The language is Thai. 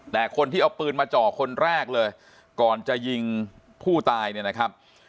แต่คนที่เอาปืนมาเจาะคนแรกเลยก่อนจะยิงผู้ตายเนี่ยนะครับ